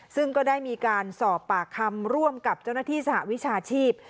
ซึ่งก็ได้มีการสอบปากคำร่วมกับเจ้าหน้าที่สหวิชาชีพ